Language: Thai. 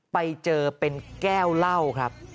ไปเจอเป็นแก้วเหล้าครับ